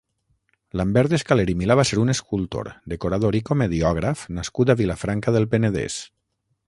Lambert Escaler i Milà va ser un escultor, decorador i comediògraf nascut a Vilafranca del Penedès.